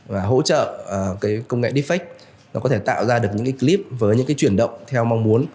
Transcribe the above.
và hỗ trợ công nghệ defect có thể tạo ra những clip với những chuyển động theo mong muốn